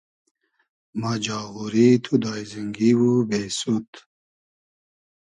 مۂ جاغوری تو داݷزینگی و بېسود